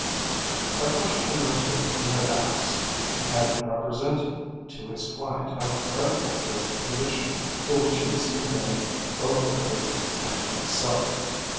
A question or two he had asked, and had represented to his client how dreadful was the condition to which he was condemning both the lady and himself.